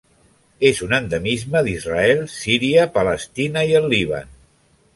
És un endemisme d'Israel, Síria, Palestina i el Líban.